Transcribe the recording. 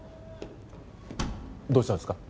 どうしたんですか？